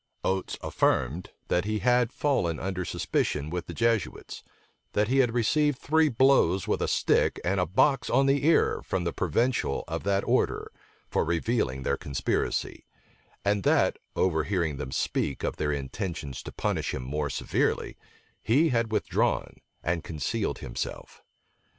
Oates affirmed, that he had fallen under suspicion with the Jesuits; that he had received three blows with a stick and a box on the ear from the provincial of that order, for revealing their conspiracy; and that, overhearing them speak of their intentions to punish him more severely, he had withdrawn, and concealed himself.